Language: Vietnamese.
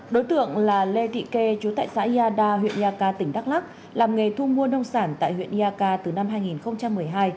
đối tượng là lê thị kê chú tại xã yada huyện yaka tỉnh đắk lắc làm nghề thu mua nông sản tại huyện yaka từ năm hai nghìn một mươi hai